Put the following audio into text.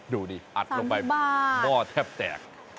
ดูดิอัดลงไปหม้อแทบแตก